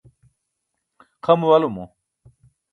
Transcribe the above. xa muwalumo